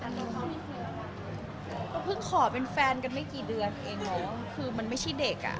ก็เพิ่งขอเป็นแฟนกันไม่กี่เดือนเองเนอะคือมันไม่ใช่เด็กอ่ะ